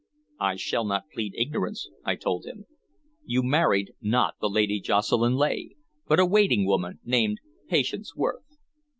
"I shall not plead ignorance," I told him. "You married, not the Lady Jocelyn Leigh, but a waiting woman named Patience Worth.